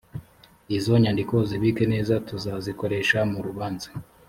izo nyandiko uzibike neza tuzazikoresha mu rubanza